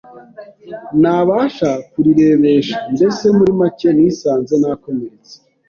ntabasha kurirebesha, mbese muri make nisanze nakomeretse